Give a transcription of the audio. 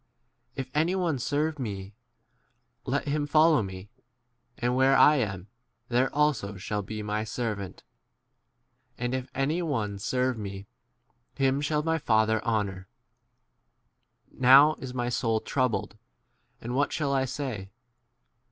If any on3 serve me, let him follow me ; and where I* am, there also shall be my servant. And if any one serve me, him shall my Father honour. 27 Now is my soul troubled, and what shall I say